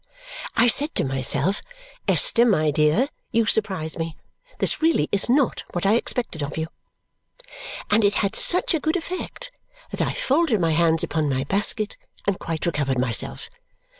I said to myself, "Esther, my dear, you surprise me! This really is not what I expected of you!" And it had such a good effect that I folded my hands upon my basket and quite recovered myself.